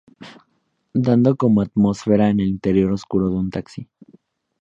Dando como atmósfera el interior oscuro de un taxi.